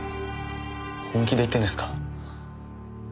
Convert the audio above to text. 本気で言ってんですか？